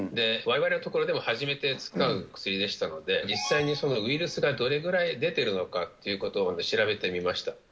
われわれのところでは、初めて使う薬でしたので、実際にウイルスがどれぐらい出ているのかということまで調べてみました。